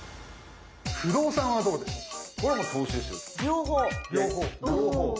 不動産はどうでしょうか？